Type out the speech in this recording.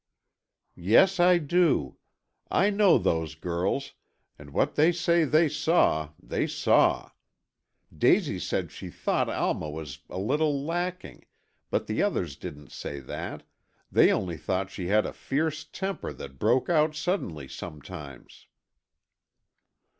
"Yes, I do. I know those girls, and what they say they saw, they saw. Daisy said she thought Alma was a little lacking, but the others didn't say that, they only thought she had a fierce temper that broke out suddenly sometimes."